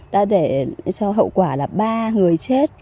đã để cho hậu quả là ba người chết